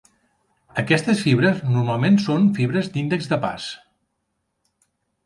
Aquestes fibres normalment són fibres d'índex de pas.